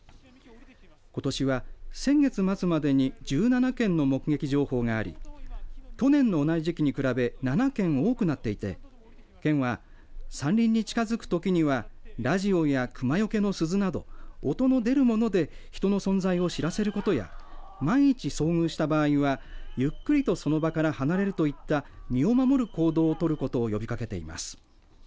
ことしは先月末までに１７件の目撃情報があり去年の同じ時期に比べ７件多くなっていて県は山林に近づくときにはラジオや熊よけの鈴など音の出るもので人の存在を知らせるすることや万一遭遇した場合はゆっくりとその場から離れるといった身を守る行動を取ることを呼びかけています。